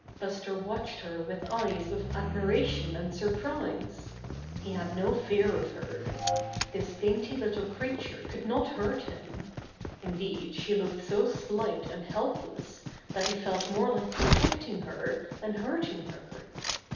Buster watched her with eyes of admiration and surprise. He had no fear of Buster's First Public Appearance 87 her. This dainty little creature could not hurt him. Indeed, she looked so slight and help less that he felt more like protecting her than hurting her.